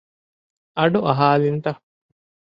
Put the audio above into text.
އަޑު އަހާލިންތަ؟